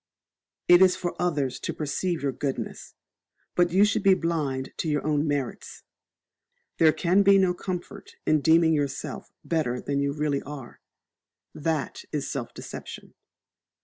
It is for others to perceive your goodness; but you should be blind to your own merits. There can be no comfort in deeming yourself better than you really are: that is self deception.